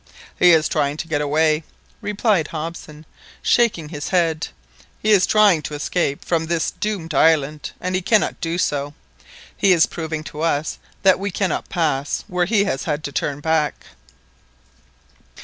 "He is trying to get away," replied Hobson, shaking his head. "He is trying to escape from this doomed island, and he cannot do so! He is proving to us that we cannot pass where he has had to turn back!"